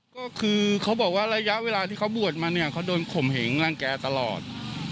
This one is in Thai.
ก็คือเขาบอกว่าระยะเวลาที่เขาบวชมาเนี่ยเขาโดนข่มเหงรังแกตลอด